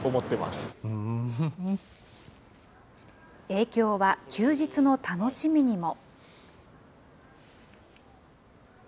影響は休日の楽しみにも。